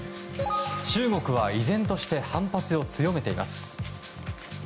中国は依然として反発を強めています。